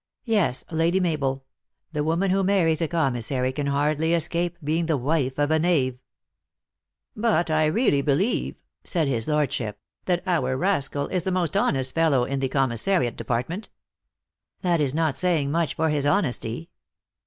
Yes, Lady Mabel ; the woman who marries a commissary can hardly escape being the wife of a knave !"" But I really believe," said his lordship, " that our rascal is the most honest fellow in the commissariat department." " That is not saying much for his honesty."